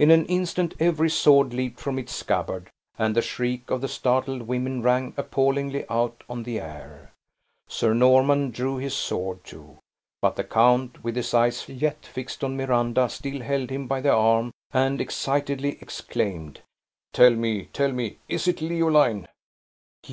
In an instant every sword leaped from its scabbard, and the shriek of the startled women rang appallingly out on the air. Sir Norman drew his sword, too; but the count, with his eyes yet fixed on Miranda, still held him by the arm, and excitedly exclaimed, "Tell me, tell me, is it Leoline?"